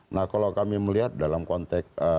nah kalau kami melihat dalam konteks